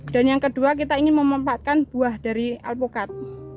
dan yang kedua kita ingin memempatkan buah dari alpukat